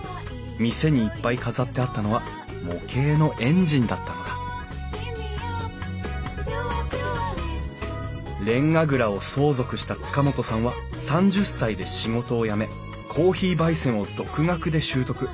店にいっぱい飾ってあったのは模型のエンジンだったのだれんが蔵を相続した塚本さんは３０歳で仕事を辞めコーヒーばい煎を独学で習得。